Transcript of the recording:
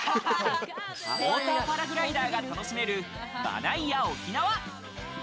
モーターパラグライダーが楽しめるマナイアオキナワ。